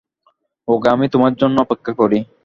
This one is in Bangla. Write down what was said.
ওকে, আমি তোমার জন্য অপেক্ষা করি।